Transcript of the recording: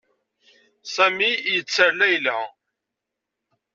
Sami yetter Layla.